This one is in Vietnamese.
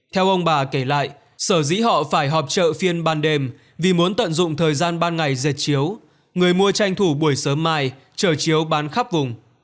theo ông bà kể lại sở dĩ họ phải họp trợ phiên ban đêm vì muốn tận dụng thời gian ban ngày dệt chiếu người mua tranh thủ buổi sớm mai chờ chiếu bán khắp vùng